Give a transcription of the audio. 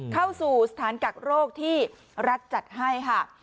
เข้าสู่สถานกักโรคที่รัฐจัดให้ค่ะ